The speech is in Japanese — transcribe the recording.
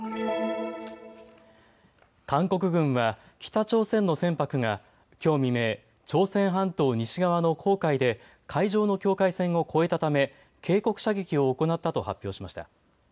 韓国軍は北朝鮮の船舶がきょう未明、朝鮮半島西側の黄海で海上の境界線を越えたため警告射撃を行ったと発表しました。